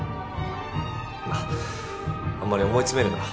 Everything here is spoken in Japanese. まっあんまり思い詰めるな。